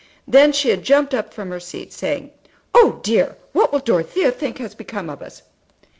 Then she had jumped up from her seat, saying, "Oh, dear, what will Dorothea think has become of us?"